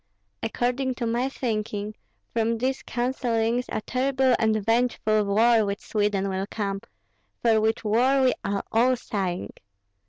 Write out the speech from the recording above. According to my thinking, from these counsellings a terrible and vengeful war with Sweden will come, for which war we are all sighing.